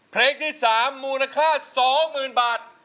เพลงที่๓มูลค่า๒๐๐๐บาท